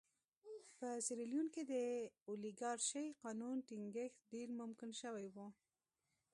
په سیریلیون کې د اولیګارشۍ قانون ټینګښت ډېر ممکن شوی و.